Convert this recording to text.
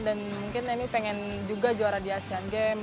dan mungkin emil pengen juga juara di sea games